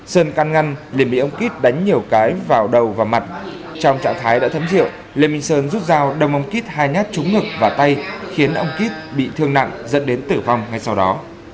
sơn can ngăn lê minh sơn đánh nhiều cái vào đầu và mặt trong trạng thái đã thấm rượu lê minh sơn rút dao đồng ông kít hai nhát trúng ngực và tay khiến ông kít bị thương nặng dẫn đến tử vong ngay sau đó